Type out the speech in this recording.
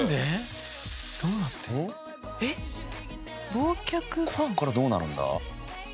ここからどうなるんだ？